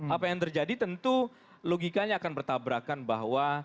apa yang terjadi tentu logikanya akan bertabrakan bahwa